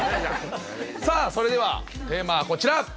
さあそれではテーマはこちら。